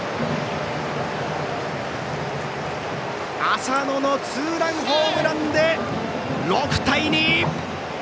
浅野のツーランホームランで６対２！